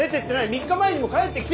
３日前にも帰ってきてる。